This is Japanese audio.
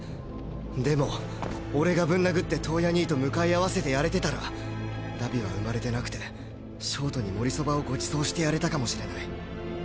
でも俺がぶん殴って燈矢兄と向かい合わせてやれてたら荼毘は生まれてなくて焦凍に盛り蕎麦をご馳走してやれたかもしれない。